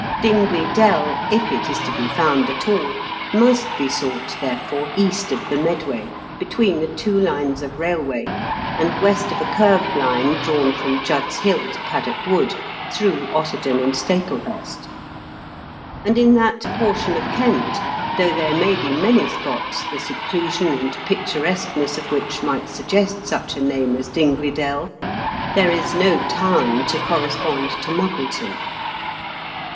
Dingley Dell, if it is to be found at all, must be sought, therefore, east of the Medway, between the two lines of railway, and west of a curved line drawn from Judd's Hill to Paddock Wood, through Otterden and Staple hurst ; and in that portion of Kent, though there may be many spots the seclusion and picturesqueness of which might suggest such a name as Dingley Dell, there is no town to correspond to Muggleton.